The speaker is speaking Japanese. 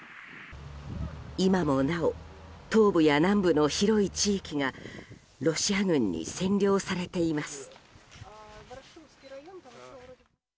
今もなお東部や南部の広い地域がロシア軍に占領されています。